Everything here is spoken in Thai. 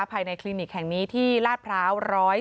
ภายในคลินิกแห่งนี้ที่ลาดพร้าว๑๔